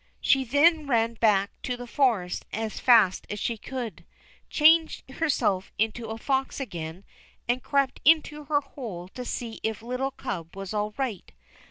She then ran back to the forest as fast as she could, changed herself into a fox again, and crept into her hole to see if little Cub was all right.